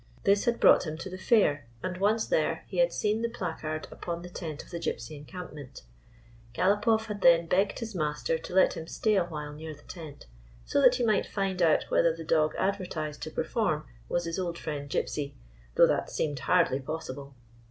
This had brought him to the Fair, and, once there, he had seen the placard upon the tent of the Gypsy encampment. Galopoff had then begged his master to let him stay a while near the tent, so that he might find out whether the dog advertised to perform was his old 191 GYPSY, THE TALKING DOG friend, Gypsy, though that seemed hardly pos sible.